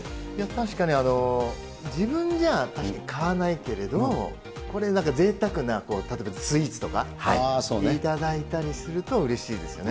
確かに、自分じゃ買わないけれども、これなんか、ぜいたくな例えばスイーツとか頂いたりすると、うれしいですよね。